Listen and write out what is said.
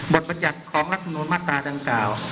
บทบัตรจัดของรับนูลมาตราดังกล่าว